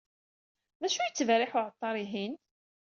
D acu yettberriḥ uɛeṭṭar-ihin?